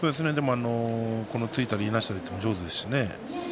突いたりいなしたりというのが上手ですしね。